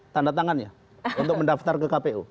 tanda tangannya untuk mendaftar ke kpu